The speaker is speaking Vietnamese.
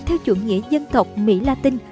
theo chuẩn nghĩa dân tộc mỹ latin